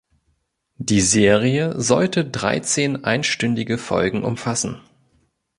Die Serie sollte dreizehn einstündige Folgen umfassen.